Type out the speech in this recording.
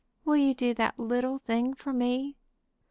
"Will you do that little thing for me?"